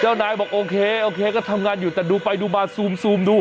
นายบอกโอเคโอเคก็ทำงานอยู่แต่ดูไปดูมาซูมดู